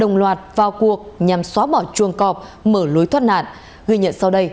ghi nhận sau đây